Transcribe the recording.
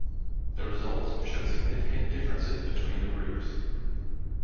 The results showed significant differences between the groups.